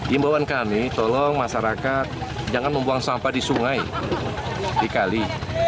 imbauan kami tolong masyarakat jangan membuang sampah di sungai di kali